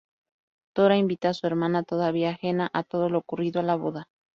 Dora invita a su hermana, todavía ajena a todo lo ocurrido, a la boda.